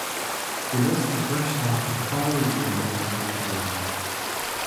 He missed the first half of the following game against Notre Dame.